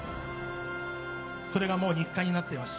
それがもう日課になっています。